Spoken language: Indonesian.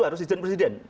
harus ijin presiden